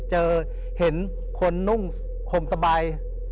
เจอเห็นคนนุ่งผมสบาย